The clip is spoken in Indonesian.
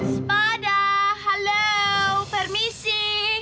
sepada halo permisi